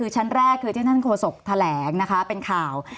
ชั้นแรกคือที่ท่านโคศกภาพแบบแสงให้แสดงเป็นข่าว